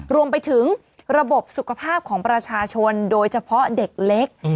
รวมไปถึงระบบสุขภาพของประชาชนโดยเฉพาะเด็กเล็ก